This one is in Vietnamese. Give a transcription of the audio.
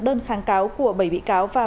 đơn kháng cáo của bảy bị cáo và